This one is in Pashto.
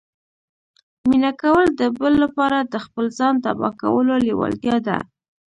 مینه کول د بل لپاره د خپل ځان تباه کولو لیوالتیا ده